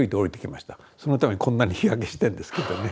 そのためにこんなに日焼けしてんですけどね。